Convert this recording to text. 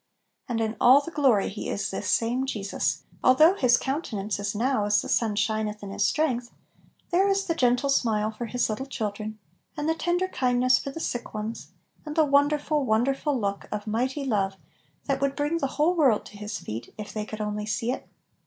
And in all the glory He is "this same Je sus "; although His countenance is now as the sun shineth in his strength* there is the gentle smile for His little children, and the tender kindness for the sick ones, and the wonderful, won derful look of mighty love that would bring the whole world to His feet if they could only see it.